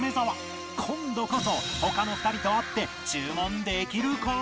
今度こそ他の２人と合って注文できるか？